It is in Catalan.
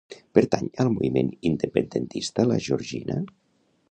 Pertany al moviment independentista la Jorgina?